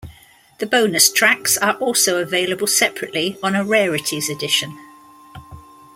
The bonus tracks are also available separately on a "Rarities Edition".